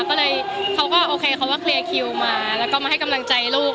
ก็เลยเขาก็โอเคเขาก็เคลียร์คิวมาแล้วก็มาให้กำลังใจลูก